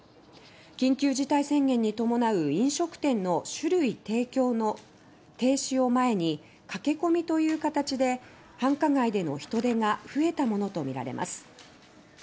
緊急事態宣言にともなう飲食店の酒類提供の停止を前に駆け込みという形で繁華街での人出が増えたものとみられます。